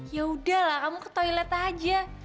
ya udah lah kamu ke toilet aja